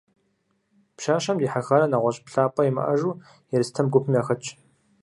Пщащэм дихьэхарэ нэгъуэщӏ плъапӏэ имыӏэжу, Ерстэм гупым яхэтщ.